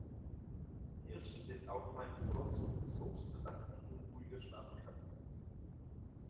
Kirschen sind auch mein bevorzugtes Obst, so dass ich nun ruhiger schlafen kann.